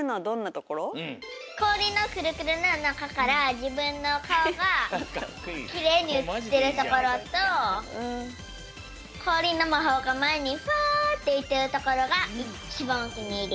こおりのくるくるのなかからじぶんのかおがきれいにうつってるところとこおりのまほうがまえにファってういてるところがいちばんおきにいり。